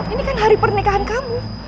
ini kan hari pernikahan kamu